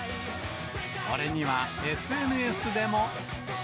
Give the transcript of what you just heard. これにはＳＮＳでも。